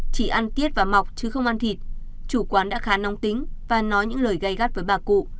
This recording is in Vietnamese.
chỉ ăn tiết và mọc chứ không ăn thịt chủ quán đã khá nóng tính và nói những lời gây gắt với bà cụ